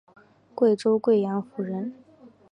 贵州贵阳府人。